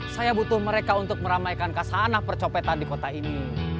saya butuh mereka untuk meramaikan kasanah percopetan di kota ini